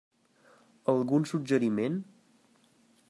Algun suggeriment?